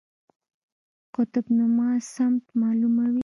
قطب نما سمت معلوموي